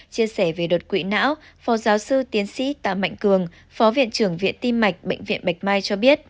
chia sẻ về đột quỵ não phó giáo sư tiến sĩ tạ mạnh cường phó viện trưởng viện tim mạch bệnh viện bạch mai cho biết